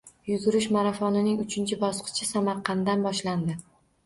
Yugurish marafonining uchinchi bosqichi Samarqanddan boshlandi